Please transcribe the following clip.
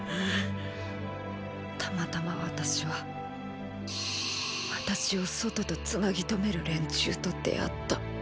たまたま私は私を外とつなぎとめる連中と出会った。